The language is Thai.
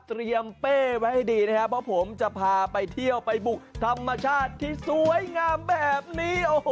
เป้ไว้ให้ดีนะครับเพราะผมจะพาไปเที่ยวไปบุกธรรมชาติที่สวยงามแบบนี้